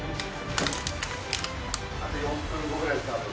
あと４分後ぐらいにスタートです。